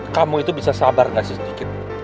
kamu itu bisa sabar gak sih sedikit